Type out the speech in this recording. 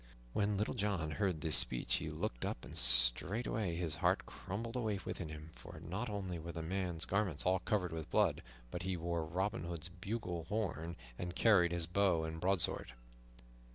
When Little John heard this speech he looked up, and straightway his heart crumbled away within him, for not only were the man's garments all covered with blood, but he wore Robin Hood's bugle horn and carried his bow and broadsword.